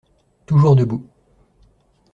Toujours debout